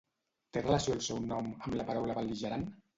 Té relació el seu nom amb la paraula bel·ligerant?